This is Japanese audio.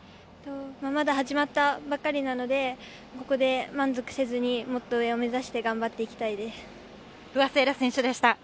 まだ始まったばかりなので、満足せずにもっと上を目指して頑張っていきたいです。